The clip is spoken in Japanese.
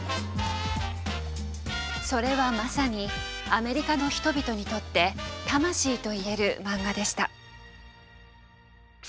それはまさにアメリカの人々にとって魂といえるマンガでした。